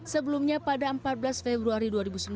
sebelumnya pada empat belas februari dua ribu sembilan belas